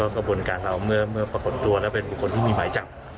กระบวนการเราเมื่อปรากฏตัวแล้วเป็นบุคคลที่มีหมายจับ